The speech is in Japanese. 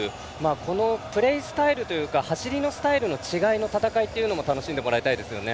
このプレースタイルというか走りのスタイルの違いの戦いっていうのも楽しんでもらいたいですよね。